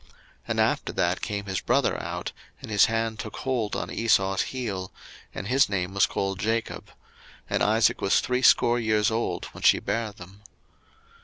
01:025:026 And after that came his brother out, and his hand took hold on Esau's heel; and his name was called Jacob: and Isaac was threescore years old when she bare them.